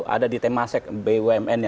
ada di temasek bumn